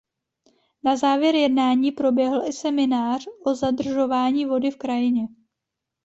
Na závěr jednání proběhl i seminář o zadržování vody v krajině.